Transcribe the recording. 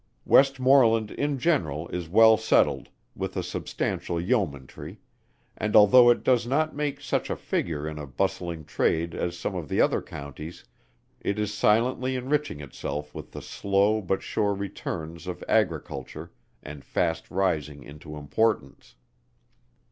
Westmorland in general, is well settled, with a substantial yeomanry, and although it does not make such a figure in a bustling trade as some of the other counties, it is silently enriching itself with the slow but sure returns of Agriculture, and fast rising into importance.